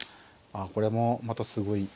あこれもまたすごい。